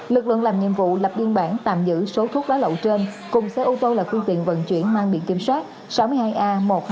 lực lượng làm nhiệm vụ lập viên bản tạm giữ số thuốc lá lậu trên cùng xe ô tô là quyên tiện vận chuyển mang biện kiểm soát sáu mươi hai a một mươi hai nghìn hai mươi chín